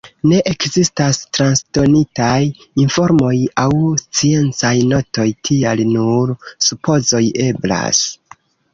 Ne ekzistas transdonitaj informoj aŭ sciencaj notoj, tial nur supozoj eblas.